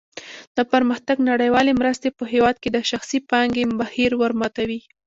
د پرمختګ نړیوالې مرستې په هېواد کې د شخصي پانګې بهیر ورماتوي.